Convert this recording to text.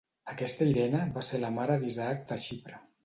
Aquesta Irene va ser la mare d'Isaac de Xipre.